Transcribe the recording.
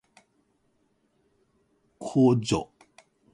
こ ｄ じょ ｆ